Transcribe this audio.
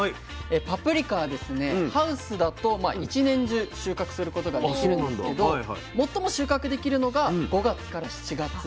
パプリカはですねハウスだと一年中収穫することができるんですけど最も収穫できるのが５月から７月。